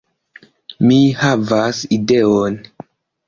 Mi havas ideon!